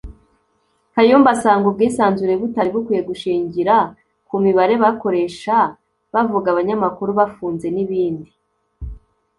Kayumba asanga ubwisanzure butari bukwiye gushingira ku mibare bakoresha bavuga abanyamakuru bafunze n’ibindi